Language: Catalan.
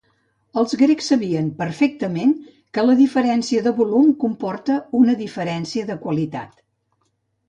Els grecs sabien perfectament que la diferència de volum comporta una diferència de qualitat.